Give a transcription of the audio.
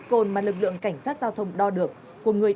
công an hà nội